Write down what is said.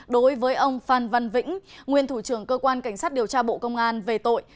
đối với ông phan văn vĩnh nguyên thủ trưởng cơ quan cảnh sát điều tra bộ công an về tội